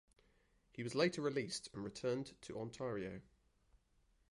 He was later released and returned to Ontario.